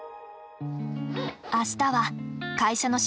明日は会社の出張。